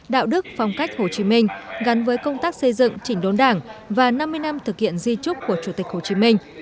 đạo đức phong cách hồ chí minh gắn với công tác xây dựng chỉnh đốn đảng và năm mươi năm thực hiện di trúc của chủ tịch hồ chí minh